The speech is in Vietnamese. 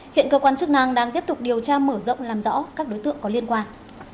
hiện cơ quan chức năng đang tiếp tục điều tra mở rộng làm rõ các đối tượng có liên quan